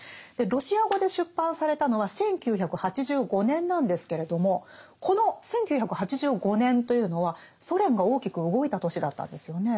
ロシア語で出版されたのは１９８５年なんですけれどもこの１９８５年というのはソ連が大きく動いた年だったんですよね。